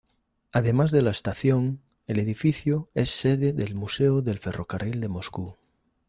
Además de la estación, el edificio es sede del Museo del Ferrocarril de Moscú.